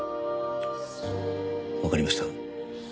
わかりました。